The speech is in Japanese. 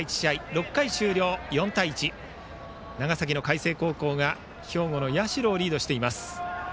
６回終了、４対１と長崎の海星高校が兵庫の社をリードしています。